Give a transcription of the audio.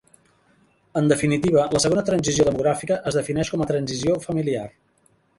En definitiva, la segona transició demogràfica es defineix com a transició familiar.